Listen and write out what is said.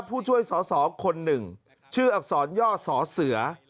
ผู้ช่วยสอสอคนหนึ่งชื่ออักษรย่อสอเสือ